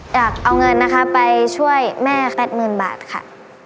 อยากเอาเงินนะคะไปช่วยแม่๘๐๐๐บาทค่ะ